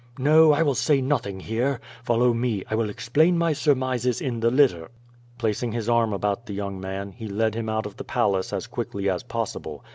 No, I will say nothing herel Follow me, I will explain my surmises in the litter." Placing his arm about the young man, he led him out of the Palace as quickly as possible.